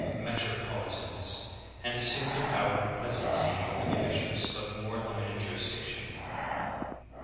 Metropolitans/ and assumed a power of presidency over the bishops of more Hmited jurisdiction.